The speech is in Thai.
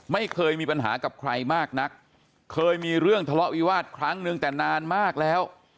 ไม่เคยมีปัญหากับใครมากนักเคยมีเรื่องทะเลาะวิวาสครั้งนึงแต่นานมากแล้ว